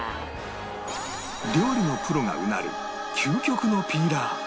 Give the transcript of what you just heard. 料理のプロがうなる究極のピーラー